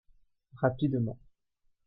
Rapidement.